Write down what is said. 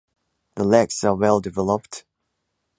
The legs are well developed.